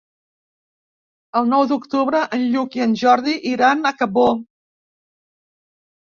El nou d'octubre en Lluc i en Jordi iran a Cabó.